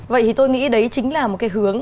vậy thì tôi nghĩ đấy chính là một cái hướng